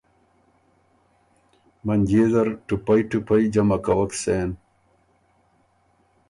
منجيې زر ټُوپئ ټُوپئ جمع کوک سېن۔